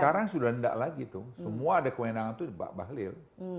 sekarang sudah tidak lagi tuh semua ada kewenangan itu pak bahlil